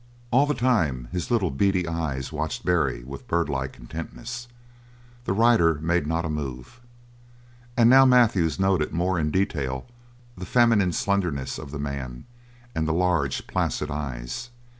All the time his little beady eyes watched Barry with bird like intentness. The rider made not a move. And now Matthews noted more in detail the feminine slenderness of the man and the large, placid eyes.